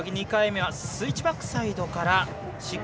２回目はスイッチバックサイドから１６２０。